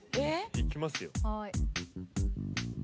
いきますよ。